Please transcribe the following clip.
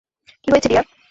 কি হয়েছে, ডিয়ার?